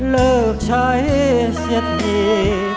เลิกใช้เสียที